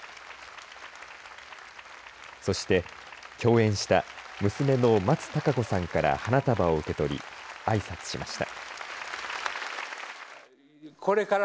そして、共演した娘の松たか子さんから花束を受け取りあいさつしました。